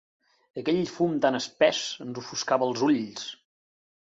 Aquell fum tan espès ens ofuscava els ulls.